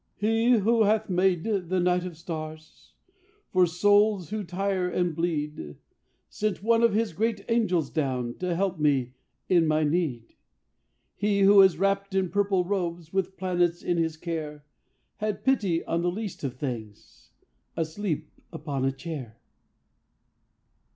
"He who hath made the night of stars "For souls, who tire and bleed, "Sent one of His great angels down "To help me in my need. "He who is wrapped in purple robes, "With planets in His care, "Had pity on the least of things "Asleep upon a chair."